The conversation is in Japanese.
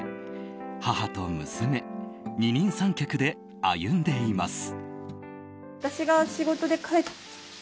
母と娘、二人三脚で歩んでいます。